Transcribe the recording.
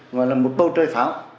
mà là một bầu trời pháo